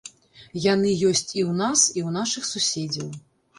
Яны ёсць і ў нас, і ў нашых суседзяў.